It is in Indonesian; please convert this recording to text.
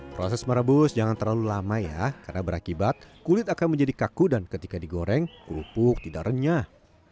proses merebus jangan terlalu lama ya karena berakibat kulit akan menjadi kaku dan ketika digoreng kerupuk tidak renyah